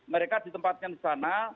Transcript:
mereka ditempatkan di sana